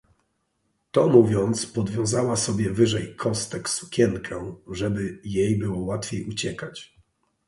"To mówiąc, podwiązała sobie wyżej kostek sukienkę, żeby jej było łatwiej uciekać."